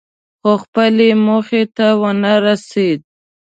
خو خپلې موخې ته ونه رسېد.